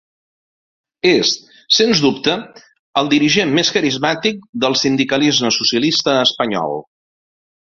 És sens dubte el dirigent més carismàtic del sindicalisme socialista espanyol.